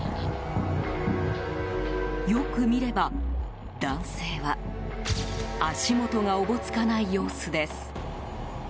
よく見れば、男性は足元がおぼつかない様子です。